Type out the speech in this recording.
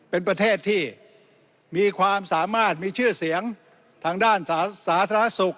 เป็นประเทศที่มีความสามารถมีชื่อเสียงทางด้านสาธารณสุข